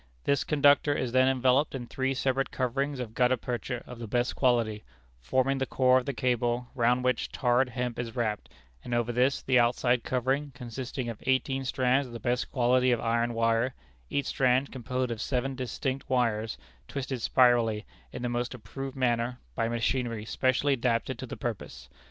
This conductor is then enveloped in three separate coverings of gutta percha, of the best quality, forming the core of the cable, round which tarred hemp is wrapped, and over this, the outside covering, consisting of eighteen strands of the best quality of iron wire; each strand composed of seven distinct wires, twisted spirally, in the most approved manner, by machinery specially adapted to the purpose.